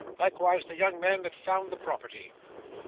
Likewise the young man that found the property.